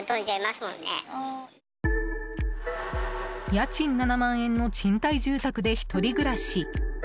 家賃７万円の賃貸住宅で１人暮らし。